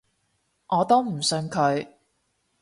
我都唔信佢